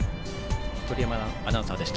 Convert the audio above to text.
鳥山アナウンサーでした。